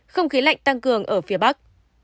không khí lạnh tăng cường ở phía bắc